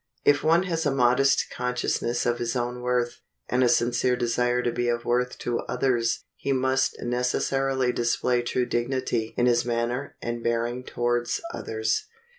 If one has a modest consciousness of his own worth, and a sincere desire to be of worth to others, he must necessarily display true dignity in his manner and bearing towards others.